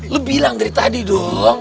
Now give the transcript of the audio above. lo bilang dari tadi dong